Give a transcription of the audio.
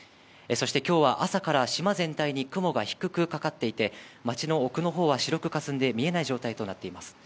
そしてきょうは朝から島全体に雲が低くかかっていて、町の奥のほうは白くかすんで見えない状態となっています。